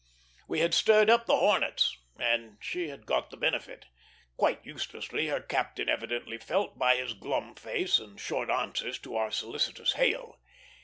We had stirred up the hornets, and she had got the benefit; quite uselessly, her captain evidently felt, by his glum face and short answers to our solicitous hail.